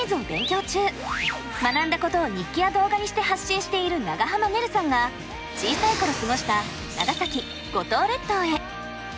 学んだことを日記や動画にして発信している長濱ねるさんが小さい頃過ごした長崎・五島列島へ。